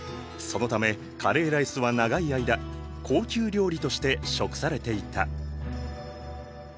そのためカレーライスは長い間高級料理として食されていた。